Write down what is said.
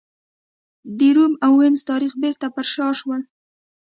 د روم او وینز تاریخ بېرته پر شا شول.